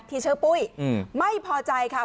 ที่ชื่อปุ้ยไม่พอใจค่ะ